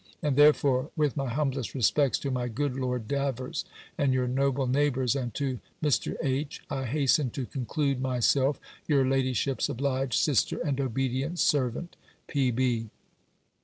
And, therefore, with my humblest respects to my good Lord Davers, and your noble neighbours, and to Mr. H. I hasten to conclude myself your ladyship's obliged sister, and obedient servant, P.